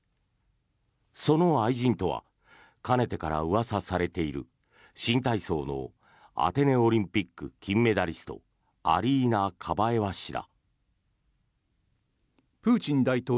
その愛人とはかねてからうわさされている新体操のアテネオリンピック金メダリストアリーナ・カバエワ氏だ。